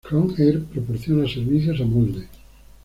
Krohn Air proporciona servicios a Molde.